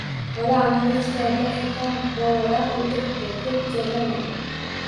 — Xola, anavi ichkarida firqa bovalar o‘tiribdi, ko‘p javramang.